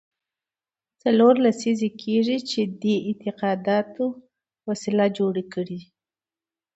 څلور لسیزې کېږي چې دې اعتقاداتو وسله جوړه کړې.